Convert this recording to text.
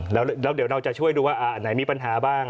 แล้วเดี๋ยวเราจะช่วยดูว่าอันไหนมีปัญหาบ้าง